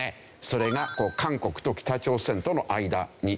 それが韓国と北朝鮮との間になります。